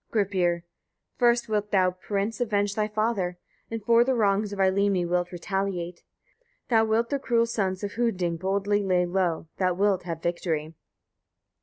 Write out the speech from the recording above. Gripir. 9. First wilt thou, prince! avenge thy father, and for the wrongs of Eylimi wilt retaliate; thou wilt the cruel sons of Hunding boldly lay low; thou wilt have victory.